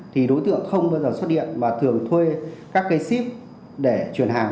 thì đối tượng không bao giờ xuất hiện mà thường thuê các cái ship để chuyển hàng